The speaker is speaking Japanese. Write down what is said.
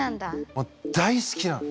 もう大好きなの。